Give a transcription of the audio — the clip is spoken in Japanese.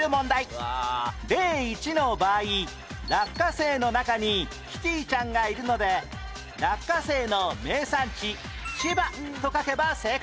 例１の場合落花生の中にキティちゃんがいるので落花生の名産地千葉と書けば正解